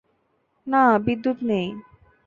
না, বিদ্যুৎ নেই।